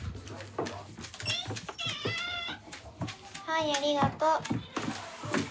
はいありがとう。